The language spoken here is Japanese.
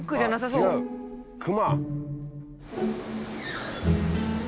違う熊。